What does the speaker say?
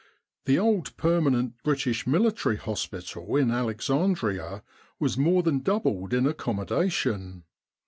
The old permanent British Military Hospital in Alexandria was more than doubled in accommodation.